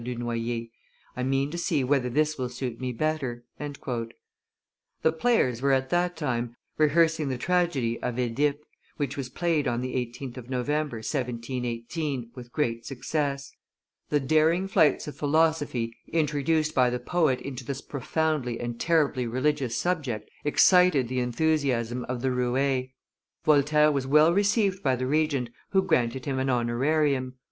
du Noy er; "I mean to see whether this will suit me better." The players were at that time rehearsing the tragedy of OEdipe, which was played on the 18th of November, 1718, with great success. The daring flights of philosophy introduced by the poet into this profoundly and terribly religious subject excited the enthusiasm of the roues; Voltaire was well received by the Regent, who granted him an honorarium.